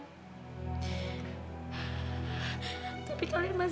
kamu gak biasa nangis sama yus